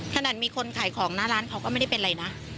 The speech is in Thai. ขนาดมีคนขายของหน้าร้านเขาก็ไม่ได้เป็นอะไรนะ